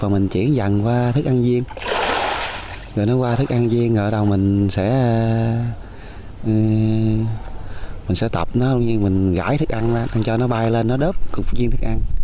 mình chuyển dần qua thức ăn viên rồi nó qua thức ăn viên rồi đầu mình sẽ tập nó mình gãi thức ăn ra cho nó bay lên nó đớp cục viên thức ăn